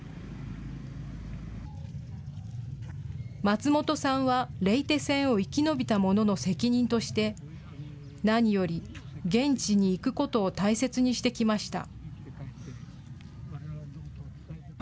松本さんは、レイテ戦を生き延びた者の責任として、何より現地に行くことを大切にしてきました。